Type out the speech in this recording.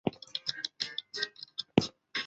新疆卷叶蛛为卷叶蛛科卷叶蛛属的动物。